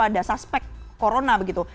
ada suspek corona begitu